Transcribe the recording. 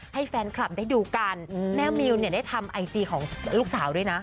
ให้แฟนคลับได้ดูกันแม่มิวเนี่ยได้ทำไอจีของลูกสาวด้วยนะ